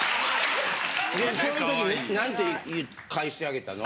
そういう時なんて返してあげたの？